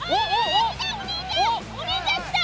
お兄ちゃん来た！